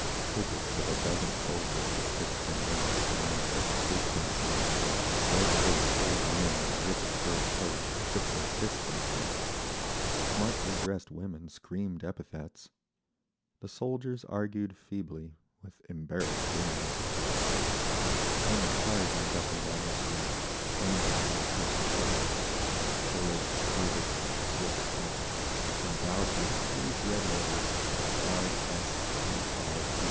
Pickets of a dozen soldiers with fixed bayonets lounged at the street crossings, red faced old men in rich fur coats shook their fists at them, smartly dressed women screamed epithets; the soldiers argued feebly, with embarrassed grins…. Armoured cars went up and down the street, named after the first Tsars—Oleg, Rurik, Svietoslav—and daubed with huge red letters, "R. S. D. R.